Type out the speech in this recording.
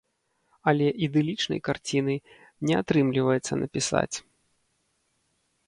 Але ідылічнай карціны не атрымліваецца напісаць.